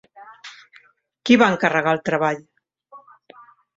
Qui va encarregar el treball?